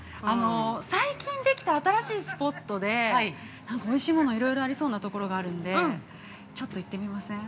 最近できた新しいスポットで、なんかおいしいもの、いろいろありそうな所があるので、ちょっと行きません？